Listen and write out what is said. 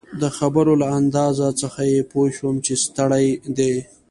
د خبرو له انداز څخه يې پوه شوم چي ستړی دی.